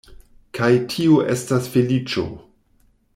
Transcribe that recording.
Kaj tio estas feliĉo.